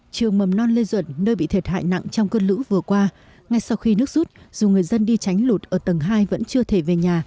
trường mầm non lê duẩn nơi bị thiệt hại nặng trong cơn lũ vừa qua ngay sau khi nước rút dù người dân đi tránh lụt ở tầng hai vẫn chưa thể về nhà